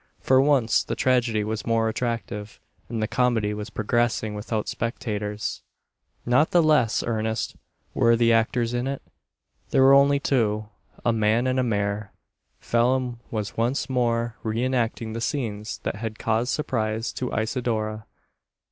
For once the tragedy was more attractive, and the comedy was progressing without spectators. Not the less earnest were the actors in it. There were only two a man and a mare. Phelim was once more re enacting the scenes that had caused surprise to Isidora.